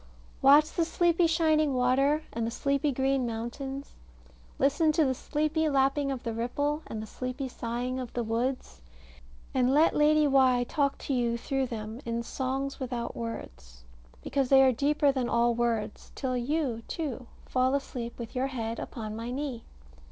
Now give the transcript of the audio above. Watch the sleepy shining water, and the sleepy green mountains. Listen to the sleepy lapping of the ripple, and the sleepy sighing of the woods, and let Lady Why talk to you through them in "songs without words," because they are deeper than all words, till you, too, fall asleep with your head upon my knee.